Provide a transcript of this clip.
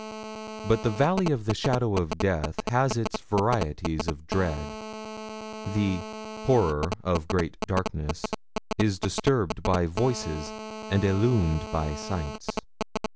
But the valley of the shadow of death has its varieties of dread. The 'horror of great darkness' is disturbed by voices and illumed by sights.